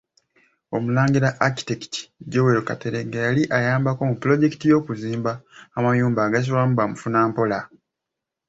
Omulangira Architect Joel kateregga yali ayambako mu pulojekiti y’okuzimba amayumba agasulwamu bamufunampola.